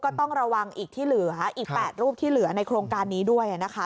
ก็ต้องระวังอีกที่เหลืออีก๘รูปที่เหลือในโครงการนี้ด้วยนะคะ